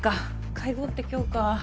会合って今日か。